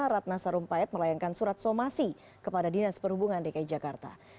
ratna sarumpait melayangkan surat somasi kepada dinas perhubungan dki jakarta